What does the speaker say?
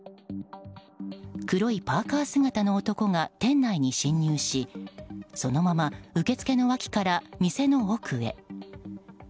黒いパーカ姿の男が店内に侵入しそのまま受け付けの脇から店の奥へ。